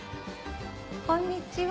こんにちは。